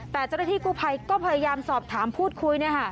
แต่เจ้าหน้าที่กู้ไพก็พยายามสอบถามพูดคุยเนี่ยค่ะ